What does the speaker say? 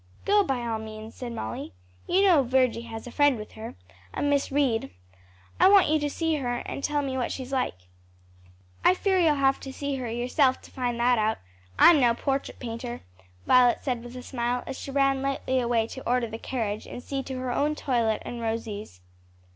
"Go, by all means," said Molly. "You know Virgy has a friend with her, a Miss Reed. I want you to see her and tell me what she's like." "I fear you'll have to see her yourself to find that out; I'm no portrait painter," Violet said with a smile as she ran lightly away to order the carriage and see to her own toilet and Rosie's.